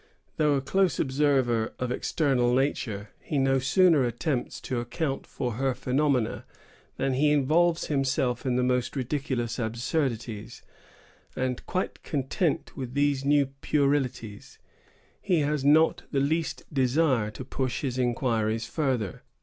Though a close observer of external nature, he no sooner attempts to account for her phenomena than he involves himself in the most ridiculous absurdities; and quite content with these puerilities, he has not the least desire to push his inquiries further.